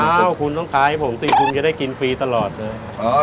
อ้าวคุณต้องขายให้ผมสิคุณจะได้กินฟรีตลอดเลย